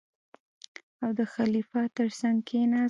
او د خلیفه تر څنګ کېناست.